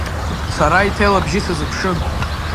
Сара иҭел абжьы сазыԥшын.